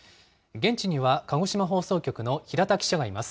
現地には鹿児島放送局の平田記者がいます。